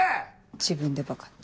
自分で「バカ」って。